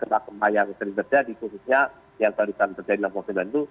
kekuatan gempa yang sering terjadi khususnya yang terjadi enam sembilan itu